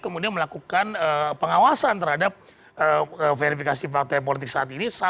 kemudian melakukan pengawasan terhadap verifikasi partai politik saat ini